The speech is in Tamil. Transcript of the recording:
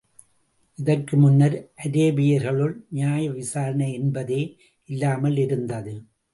இதற்கு முன்னர், அரேபியர்களுக்குள் நியாய விசாரணை என்பதே இல்லாமல் இருந்தது.